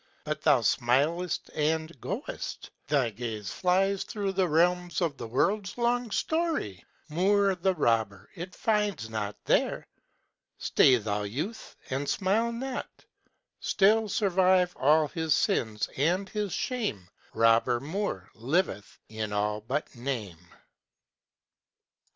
But thou smilest and goest Thy gaze flies through the realms of the world's long story, Moor, the robber, it finds not there Stay, thou youth, and smile not! Still survive all his sins and his shame Robber Moor liveth in all but name.